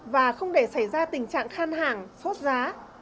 và không để xảy ra tình trạng khan hàng sốt giá